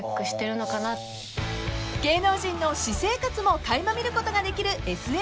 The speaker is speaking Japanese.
［芸能人の私生活も垣間見ることができるＳＮＳ］